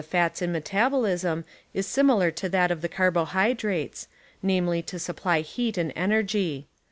7 J, tlu' fats in metabolism is similar to that of the carbohydrates, namely to supply lieat and energy.